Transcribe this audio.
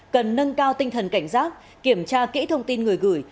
cần nâng cao tinh thần cảnh giác kiểm tra kỹ thông tin người gửi